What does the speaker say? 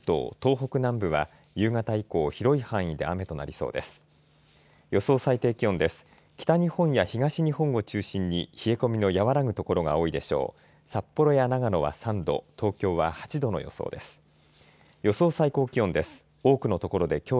北日本や東日本を中心に冷え込みの和らぐ所が多いでしょう。